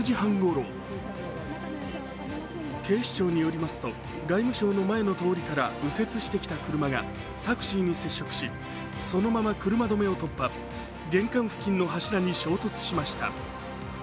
警視庁によりますと、外務省の前の通りから右折してきた車がタクシーに接触し、そのまま車止めを突破、玄関付近の柱に衝突しました。